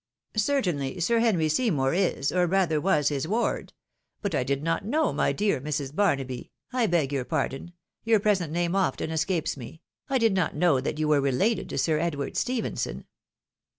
" Certainly, Sir Henry Seymour is, or rather was, his ward: but I did not know, my dear Mrs. Barnaby — I beg your pardon, your present name often escapes me — I did not know that you wererelated to Sir Edward Stephenson."